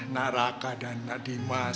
nak raka dan nak dimas